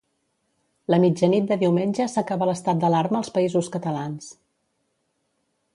La mitjanit de diumenge s'acaba l'estat d'alarma als Països Catalans.